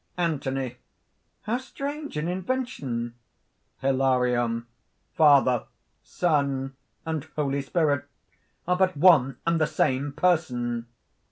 _) ANTHONY. "How strange an invention!" HILARION. "Father, Son, and Holy Spirit are but one and the same Person!"